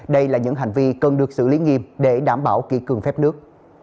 đây là những hành vi cần được xử lý nghiêm để đảm bảo kỳ cường phép nước